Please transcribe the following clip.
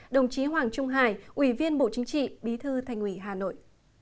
đồng chí hoàng trung hải ủy viên bộ chính trị bí thư thành ủy hà nội